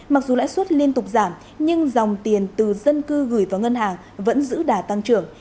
mặc dù lãi suất liên tục giảm nhưng dòng tiền từ dân cư gửi vào ngân hàng vẫn giữ đà tăng trưởng